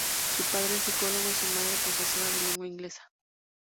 Su padre es psicólogo y su madre profesora de lengua inglesa.